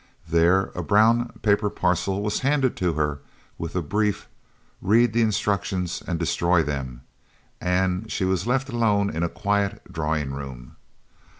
There a brown paper parcel was handed to her with a brief, "Read the instructions and destroy them," and she was left alone in a quiet drawing room.